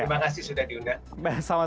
terima kasih sudah diundang